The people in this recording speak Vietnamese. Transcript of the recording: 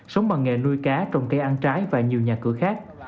sống bằng nghề nuôi cá trồng cây ăn trái và nhiều nhà cửa khác